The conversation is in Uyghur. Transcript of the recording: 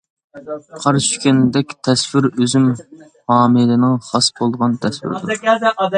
قار چۈشكەندەك تەسۋىر ئۈزۈم ھامىلىنىڭ خاس بولغان تەسۋىرىدۇر.